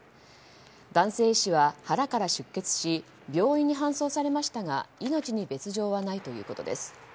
男性医師は腹から出血し病院に搬送されましたが命に別条はないということです。